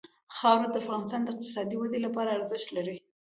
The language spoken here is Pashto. خاوره د افغانستان د اقتصادي ودې لپاره ارزښت لري.